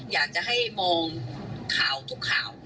อยากจะให้มองข่าวทุกข่าว